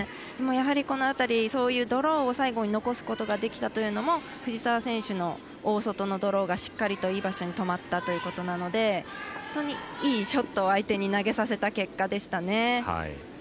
やはりこの辺りそういうドローを最後に残すことができたというのも、藤澤選手の大外のドローがしっかりいい場所に止まったということなのでいいショットを相手に投げさせた結果でしたね。